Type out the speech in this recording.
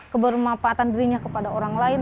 kebermanfaatan dirinya kepada orang lain